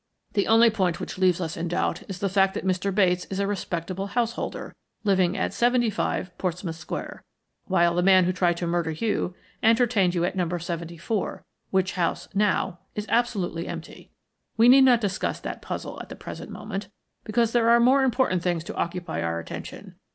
The only point which leaves us in doubt is the fact that Mr. Bates is a respectable householder, living at 75, Portsmouth Square, while the man who tried to murder you entertained you at No. 74, which house, now, is absolutely empty. We need not discuss that puzzle at the present moment, because there are more important things to occupy our attention.